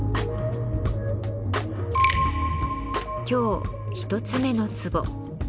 今日１つ目の壺